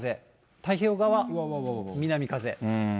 太平洋側、南風。